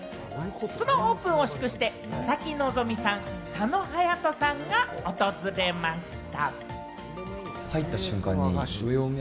そのオープンを祝して、佐々木希さん、佐野勇斗さんが訪れました。